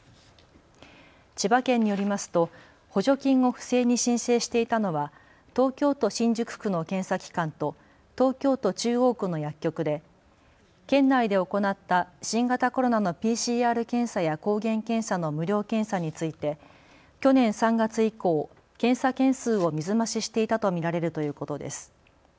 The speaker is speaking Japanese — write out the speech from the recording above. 千葉県によりますと補助金を不正に申請していたのは東京都新宿区の検査機関と東京都中央区の薬局で県内で行った新型コロナのＰＣＲ検査や抗原検査の無料検査について去年３月以降、検査件数を水増ししていたと見られるということです。